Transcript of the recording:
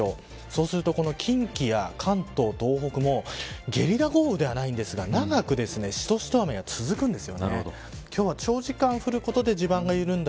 そうすると近畿や関東、東北もゲリラ豪雨ではないんですが長くしとしと雨が続きます。